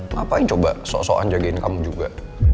ngapain coba sok sokan jagain kamu juga